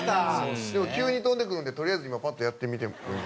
でも急に飛んでくるんでとりあえず今パッとやってみて。